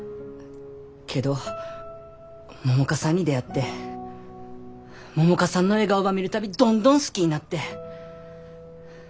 けど百花さんに出会って百花さんの笑顔ば見る度どんどん好きになって。